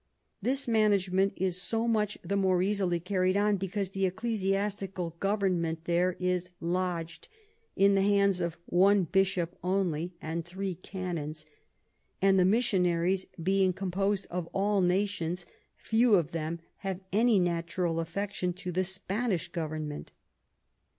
This Management is so much the more easily carry'd on, because the Ecclesiastical Government there is lodg'd in the hands of one Bishop only and three Canons; and the Missionaries being compos'd of all Nations, few of them have any natural Affection to the Spanish Government.